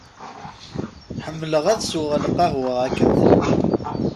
Ḥemmleɣ ad sweɣ lqahwa akken teḥma.